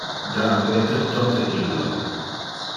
Da a Peter tote illo.